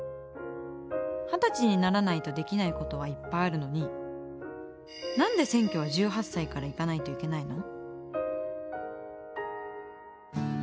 二十歳にならないとできないことはいっぱいあるのに何で選挙は１８歳から行かないといけないの？